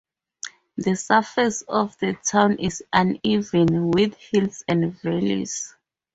The surface of the town is uneven, with hills and valleys.